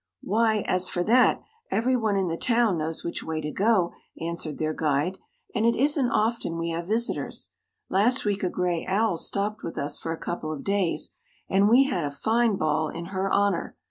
"Why, as for that, every one in the town knows which way to go," answered their guide; "and it isn't often we have visitors. Last week a gray owl stopped with us for a couple of days, and we had a fine ball in her honor.